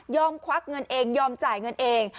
ควักเงินเองยอมจ่ายเงินเอง